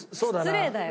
失礼だよ。